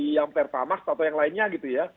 yang pertamax atau yang lainnya gitu ya